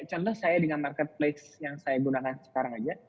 contoh saya dengan marketplace yang saya gunakan sekarang aja